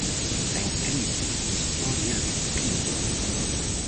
A incrible historia de Pinio.